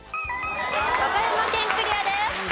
和歌山県クリアです。